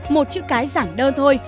một chữ cái giảng đơn thôi